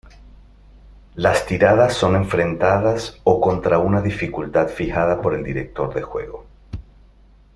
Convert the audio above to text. Las tiradas son enfrentadas o contra una dificultad fijada por el director de juego.